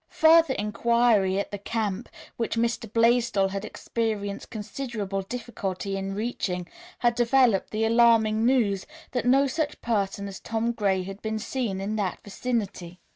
Further inquiry at the camp, which Mr. Blaisdell had experienced considerable difficulty in reaching, had developed the alarming news that no such person as Tom Gray had been seen in that vicinity.